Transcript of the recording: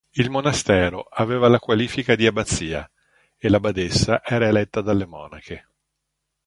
Il monastero aveva la qualifica di abbazia, e la badessa era eletta dalle monache.